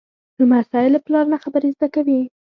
لمسی له پلار نه خبرې زده کوي.